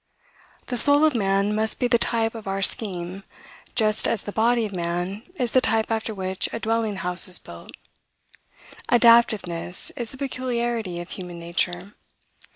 The soul of man must be the type of our scheme, just as the body of man is the type after which a dwelling house is built. Adaptiveness is the peculiarity of human nature.